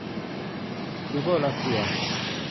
รูเบิลรัสเซีย